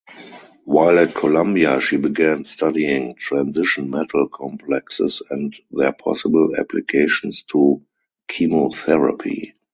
While at Columbia she began studying transition-metal complexes and their possible applications to chemotherapy.